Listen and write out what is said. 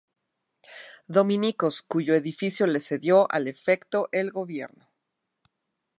Dominicos, cuyo edificio les cedió al efecto el gobierno.